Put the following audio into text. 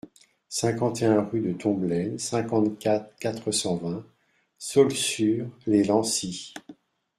cinquante et un rue de Tomblaine, cinquante-quatre, quatre cent vingt, Saulxures-lès-Nancy